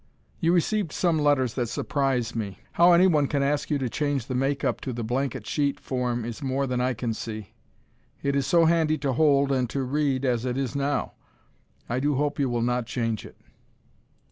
You received some letters that surprise me. How anyone can ask you to change the make up to the blanket sheet form is more than I can see. It is so handy to hold and to read as it is now. I do hope you will not change it.